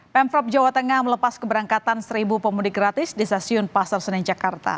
pemprov jawa tengah melepas keberangkatan seribu pemudik gratis di stasiun pasar senen jakarta